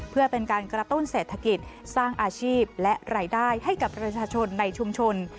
เพื่อเป็นการกระตุ้นเศรษฐกิจสร้างอาชีพและรายได้ให้กับประชาชนในชุมชน